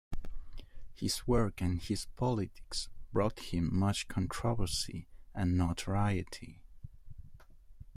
His work and his politics brought him much controversy and notoriety.